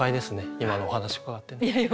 今のお話伺ってね。